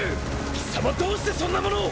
貴様どうしてそんなものを！